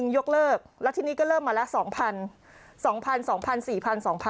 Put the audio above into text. ๑๐๐๐ยกเลิกแล้วทีนี้ก็เริ่มมาแล้ว๒๐๐๐